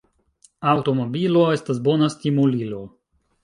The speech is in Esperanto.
Aŭtomobilo estas bona stimulilo.